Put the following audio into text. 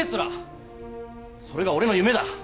それが俺の夢だ！